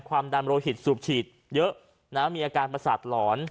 ความดันโลหิตสูบฉีดเยอะมีอาการประสาทหลอน